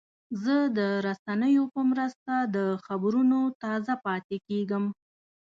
زه د رسنیو په مرسته د خبرونو تازه پاتې کېږم.